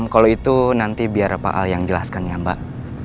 kalau itu nanti biar pak al yang jelaskan ya mbak